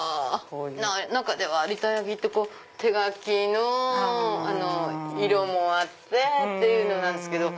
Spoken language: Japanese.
中では有田焼って手描きの色もあってっていうのですけど。